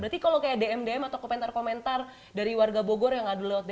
berarti kalau kayak dm dm atau komentar komentar dari warga bogor yang adu lewat dm